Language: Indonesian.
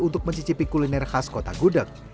untuk mencicipi kuliner khas kota gudeg